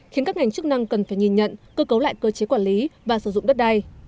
khiến các ngành chức năng cần phải nhìn nhận cơ cấu lại cơ chế quản lý và sử dụng đất đai